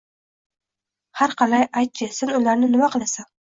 — Har qalay, ayt-chi, sen ularni nima qilasan?